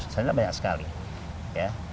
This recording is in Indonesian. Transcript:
sebenarnya banyak sekali ya